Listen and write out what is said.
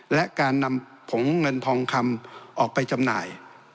และการนำผงเงินทองคำออกไปจำหน่าย